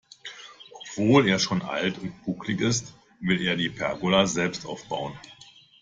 Obwohl er schon alt und bucklig ist, will er die Pergola selbst aufbauen.